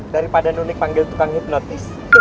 daripada nunik panggil tukang hipnotis